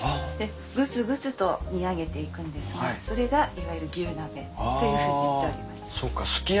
でぐつぐつと煮上げていくんですがそれがいわゆる牛鍋というふうに言っております。